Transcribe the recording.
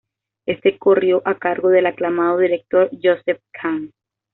Éste corrió a cargo del aclamado director Joseph Kahn.